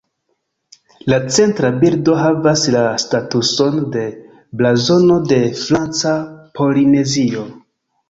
La centra bildo havas la statuson de blazono de Franca Polinezio.